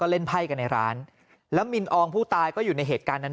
เล่นไพ่กันในร้านแล้วมินอองผู้ตายก็อยู่ในเหตุการณ์นั้น